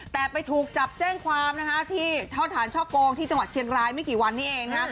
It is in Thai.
แต่ไปถูกจับแจ้งความนะคะที่เท่าฐานช่อโกงที่จังหวัดเชียงรายไม่กี่วันนี้เอง